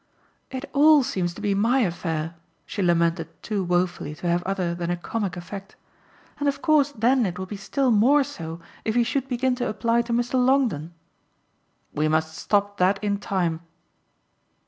"It ALL seems to be my affair!" she lamented too woefully to have other than a comic effect. "And of course then it will be still more so if he should begin to apply to Mr. Longdon." "We must stop that in time."